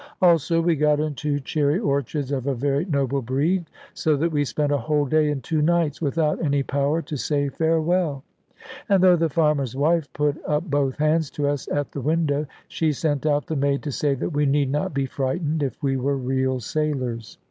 Also, we got into cherry orchards of a very noble breed; so that we spent a whole day and two nights, without any power to say farewell. And though the farmer's wife put up both hands to us at the window, she sent out the maid to say that we need not be frightened, if we were real sailors.